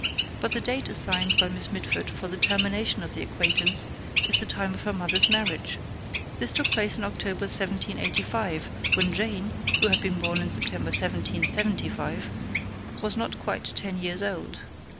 But the date assigned by Miss Mitford for the termination of the acquaintance is the time of her mother's marriage. This took place in October 1785, when Jane, who had been born in December 1775, was not quite ten years old.